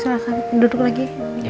silahkan duduk lagi